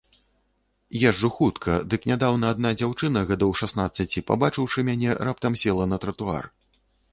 Езджу хутка, дык нядаўна адна дзяўчына гадоў шаснаццаці, пабачыўшы мяне, раптам села на тратуар.